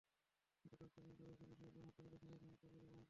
মাত্র কয়েক সেকেন্ড দূরেই ছিল শিরোপার হাতছানি, তখনই থমকে গেল মহাকাল।